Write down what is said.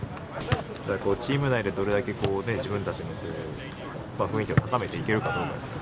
チーム内でどれだけ自分たちの雰囲気を高めていけるかどうかですね。